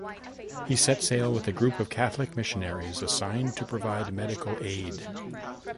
He set sail with a group of Catholic missionaries assigned to provide medical aid.